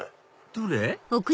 どれ？